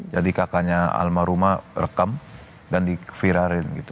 jadi kakaknya alma rumah rekam dan diviralin gitu